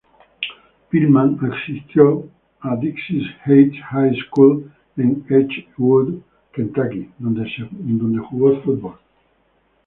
Pillman asistió a Dixie Heights High School en Edgewood, Kentucky, donde jugó football.